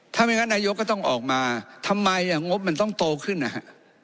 ถ้าไม่งั้นนายกก็ต้องออกมาทำไมอ่ะงบมันต้องโตขึ้นนะฮะ